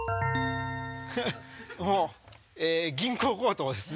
えっ銀行強盗です。